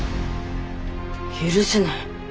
許せない。